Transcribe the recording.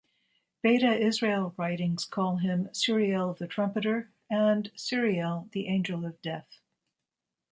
Beta Israel writings call him "Suriel the Trumpeter" and "Suriel, the Angel of Death".